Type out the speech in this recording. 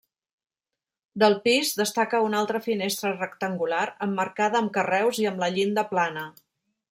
Del pis, destaca una altra finestra rectangular emmarcada amb carreus i amb la llinda plana.